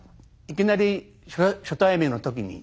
いきなり初対面の時に。